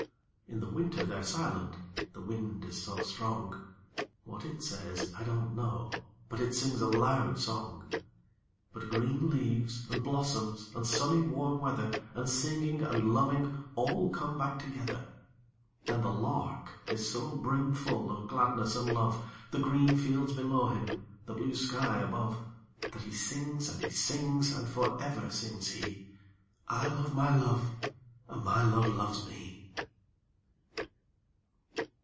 In the winter they're silent the wind is so strong; What it says, I don't know, but it sings a loud song. But green leaves, and blossoms, and sunny warm weather, 5 And singing, and loving all come back together. But the Lark is so brimful of gladness and love, The green fields below him, the blue sky above, That he sings, and he sings; and for ever sings he 'I love my Love, and my Love loves me!'